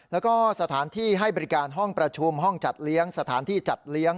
แล้วก็สถานที่ให้บริการห้องประชุมห้องจัดเลี้ยงสถานที่จัดเลี้ยง